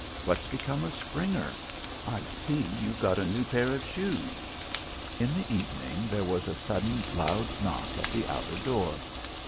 What's become of Springer? I see you've got a new pair of shoes." In the evening there was a sudden loud knock at the outer door.